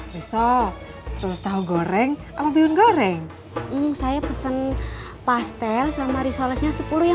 besok terus tahu goreng apa bihun goreng saya pesen pastel sama risolesnya sepuluh yang